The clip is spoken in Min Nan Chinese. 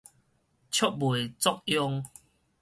觸媒作用